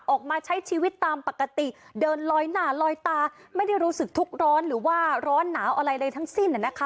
ออกมาใช้ชีวิตตามปกติเดินลอยหน้าลอยตาไม่ได้รู้สึกทุกข์ร้อนหรือว่าร้อนหนาวอะไรเลยทั้งสิ้น